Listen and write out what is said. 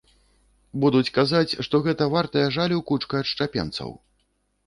Будуць казаць, што гэта вартая жалю кучка адшчапенцаў.